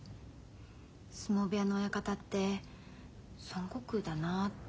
相撲部屋の親方って孫悟空だなって。